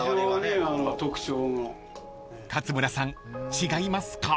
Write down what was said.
［勝村さん違いますか？］